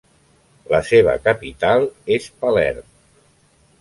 La seva capital és Palerm.